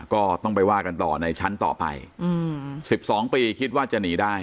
ก็ต้องไปว่ากันต่อในชั้นต่อไป๑๒ปีคิดว่าจะหนีได้